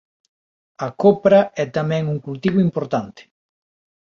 A copra é tamén un cultivo importante.